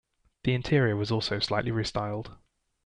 The interior was also slightly restyled.